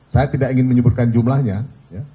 saya tidak ingin menyebutkan jumlahnya ya